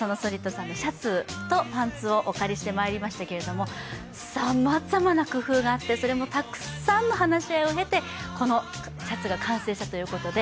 さんのシャツとパンツをお借りしてまいりましたけれども、さまざまな工夫があってそれもたくさんの話し合いを経てこのシャツが完成したということで。